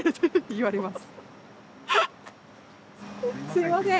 すいません。